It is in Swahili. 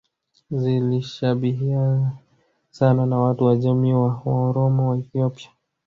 zilishabihiana sana na watu wa jamii ya Waoromo wa Ethiopia